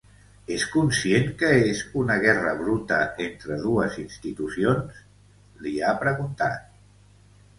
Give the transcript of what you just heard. És conscient que és una guerra bruta entre dues institucions?, li ha preguntat.